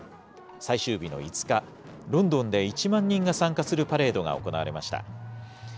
最終日の５日、ロンドンで１万人が参加するパレードが行われました。